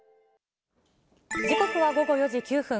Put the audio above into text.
時刻は午後４時９分。